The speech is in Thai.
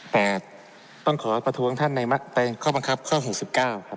แต่ต้องขอประท้วงท่านในข้อบังคับข้อ๖๙ครับ